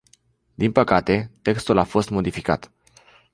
Din păcate, textul a fost modificat.